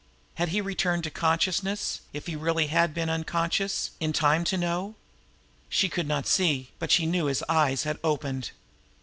Had he returned to consciousness, if he really had been unconscious, in time to know? She could not see; but she knew his eyes had opened.